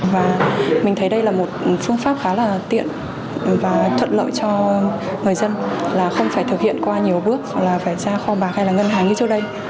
và mình thấy đây là một phương pháp khá là tiện và thuận lợi cho người dân là không phải thực hiện qua nhiều bước gọi là phải ra kho bạc hay là ngân hàng như trước đây